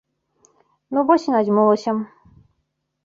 Ну вось і надзьмулася.